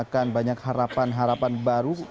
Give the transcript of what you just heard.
dan tidak tarik akan itu